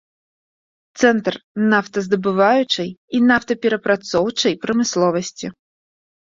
Цэнтр нафтаздабываючай і нафтаперапрацоўчай прамысловасці.